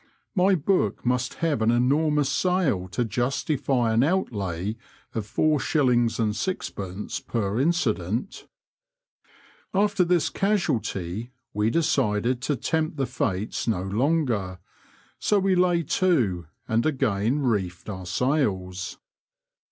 " My book must have an enormous sale to justify an outlay of four shillings and sixpence per incident." After this casualty we decided to tempt the fates no longer ; so we lay to and again reefed our sails.